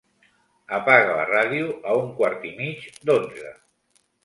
Apaga la ràdio a un quart i mig d'onze.